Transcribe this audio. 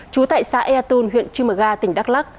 trú tại xã ea tôn huyện chimaga tỉnh đắk lắc